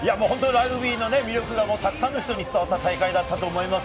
ラグビーの魅力がたくさんの人に伝わった大会だったと思います。